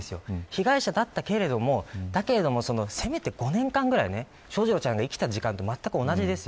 被害者だったけれどもせめて５年間ぐらい翔士郎ちゃんが生きた時間と全く同じです。